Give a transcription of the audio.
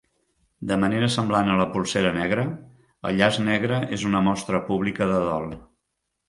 De manera semblant a la polsera negra, el llaç negre és una mostra pública de dol.